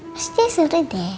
pasti suruh deh